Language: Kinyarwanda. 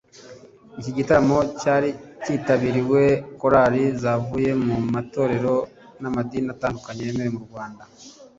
Iki gitaramo cyari kitabiriwe na Korali zavuye mu matorero n’amadini atandukanye yemewe mu Rwanda